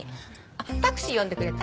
あっタクシー呼んでくれた？